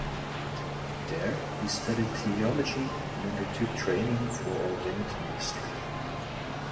There, he studied theology and undertook training for ordained ministry.